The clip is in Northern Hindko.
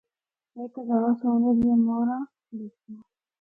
ہک ہزار سونے دیاں مُہراں دیساں۔